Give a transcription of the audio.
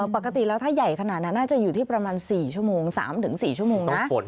ปกติแล้วถ้าใหญ่ขนาดนั้นน่าจะอยู่ที่ประมาณ๔ชั่วโมง๓๔ชั่วโมงนะ